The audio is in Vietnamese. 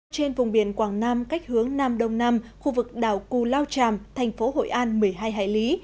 trên vùng biển quảng nam cách hướng nam đông nam khu vực đảo cù lao tràm thành phố hội an một mươi hai hải lý